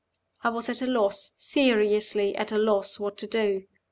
I was at a loss, seriously at a loss, what to do.